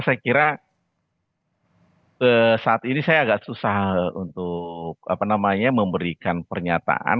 saya kira saat ini saya agak susah untuk memberikan pernyataan